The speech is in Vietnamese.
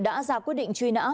đã ra quyết định truy nã